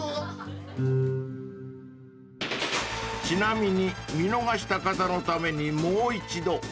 ［ちなみに見逃した方のためにもう一度］